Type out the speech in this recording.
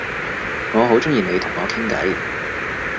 我好鍾意你同我傾偈